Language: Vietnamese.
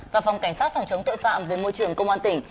và phòng cảnh sát phòng chống tội phạm về môi trường công an tỉnh